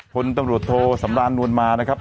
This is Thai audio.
คนตำรวจโทรสำรอะไรมานะครับ